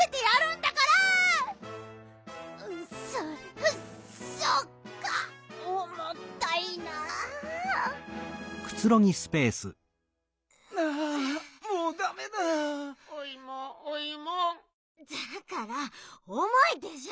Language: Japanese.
だから「おもい」でしょ！